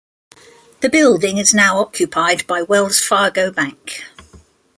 The building is now occupied by Wells Fargo Bank.